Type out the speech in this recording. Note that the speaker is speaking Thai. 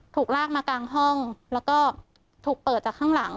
ถูกลากมากลางห้องแล้วก็ถูกเปิดจากข้างหลัง